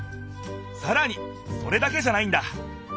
さらにそれだけじゃないんだ！